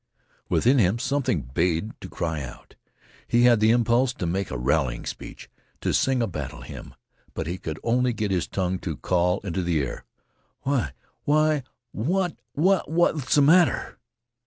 Within him something bade to cry out. He had the impulse to make a rallying speech, to sing a battle hymn, but he could only get his tongue to call into the air: "Why why what what 's th' matter?"